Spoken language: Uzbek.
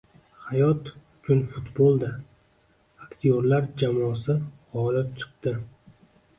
“Hayot uchun futbol!”da aktyorlar jamoasi g‘olib chiqdi